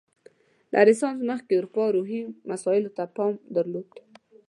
له رنسانس مخکې اروپا روحي مسایلو ته پام درلود.